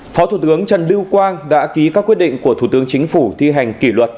phó thủ tướng trần lưu quang đã ký các quyết định của thủ tướng chính phủ thi hành kỷ luật